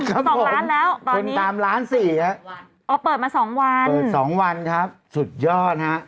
ครับผมคนตามล้านสี่ครับอ๋อเปิดมาสองวันสองวันครับสุดยอดฮะ